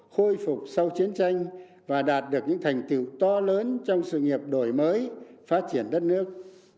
khôi phục sau chiến tranh và đạt được những thành tựu to lớn trong sự nghiệp đổi mới phát triển đất nước